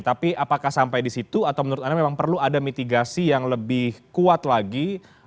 tapi apakah sampai di situ atau menurut anda memang perlu ada mitigasi yang lebih kuat lagi